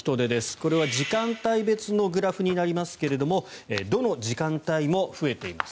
これは時間帯別のグラフになりますけれどもどの時間帯も増えています。